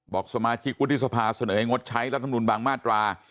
บอกสมาชิกวุฒิสภาเสนอให้งดใช้รัฐมนุนบางมาตรา